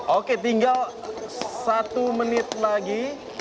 oke tinggal satu menit lagi